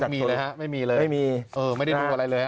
ไม่มีเลยฮะไม่มีเลยไม่มีไม่ได้ดูอะไรเลย